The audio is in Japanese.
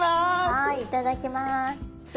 はいいただきます。